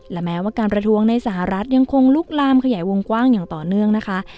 และแม้ว่าการประท้วงในสหรัฐยังคงลุกลามขยายวงกว้างอย่างต่อเนื่องนะคะ